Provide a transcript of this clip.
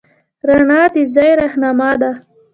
رڼا د ځای رهنما ده.